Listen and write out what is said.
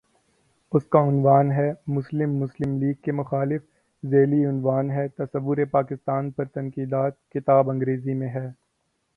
اس کا عنوان ہے:"مسلم مسلم لیگ کے مخالف" ذیلی عنوان ہے:"تصورپاکستان پر تنقیدات" کتاب انگریزی میں ہے۔